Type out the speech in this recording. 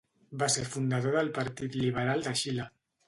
Va ser fundador del Partit Liberal de Xile.